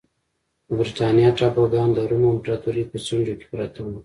د برېټانیا ټاپوګان د روم امپراتورۍ په څنډو کې پراته وو